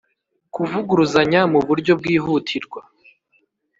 kuvuguruzanya mu buryo bwihutirwa